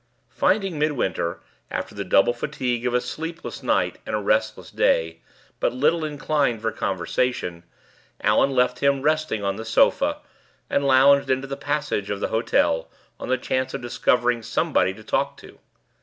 Finding Midwinter, after the double fatigue of a sleepless night and a restless day, but little inclined for conversation, Allan left him resting on the sofa, and lounged into the passage of the hotel, on the chance of discovering somebody to talk to.